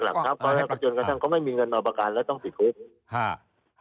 เขาไม่มีเงินมาประกันแล้วต้องผิดคุก